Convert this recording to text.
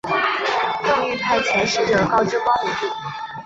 邓禹派遣使者告知光武帝。